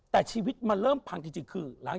แต่ชีวิตมันเริ่มพังจริงคือ